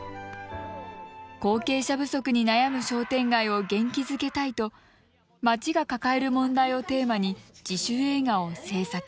後継者不足に悩む商店街を元気づけたいと町が抱える問題をテーマに自主映画を製作。